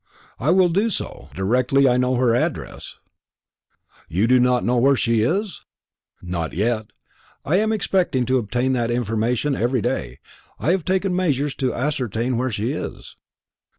"I will do so, directly I know her address." "You do not know where she is?" "Not yet. I am expecting to obtain that information every day. I have taken measures to ascertain where she is."